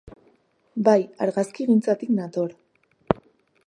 Bai, argazkigintzatik nator.